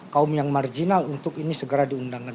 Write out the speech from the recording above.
kaum yang marginal untuk ini segera diundangkan